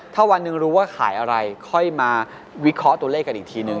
ถ้าวันหนึ่งรู้ว่าขายอะไรค่อยมาวิเคราะห์ตัวเลขกันอีกทีนึง